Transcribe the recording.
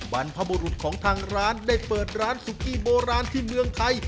บรรพบุรุษของทางร้านได้เปิดร้านซุกี้โบราณที่เมืองไทย